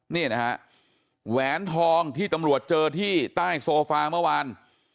นี่นะฮะแหวนทองที่ตำรวจเจอที่ใต้โซฟาเมื่อวาน